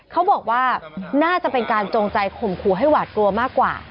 เขาบอกว่าน่าจะเป็นการจงใจข่มขู่ให้หวาดกลัวมากกว่า